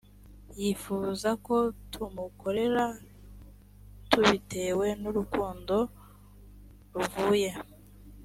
yifuza ko tumukorera tubitewe n urukundo ruvuye